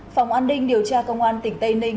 phòng an ninh điều tra công an tỉnh tây ninh